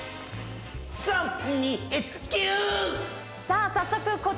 さぁ早速。